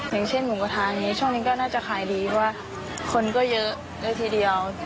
อย่างเช่นหมูกระทะเนี่ยช่วงนี้ก็น่าจะคลายดีว่าคนก็เยอะเลยทีเดียว